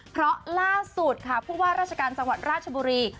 เพราะล่าสุดค่ะผู้ว่าราชการจังหวัดราชบุรี